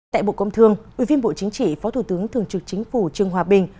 tại bộ công thương ủy viên bộ chính trị phó thủ tướng thường trực chính phủ trương hòa bình